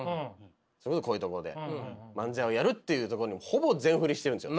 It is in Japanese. こういうところで漫才をやるっていうところにほぼ全振りしてるんですよ。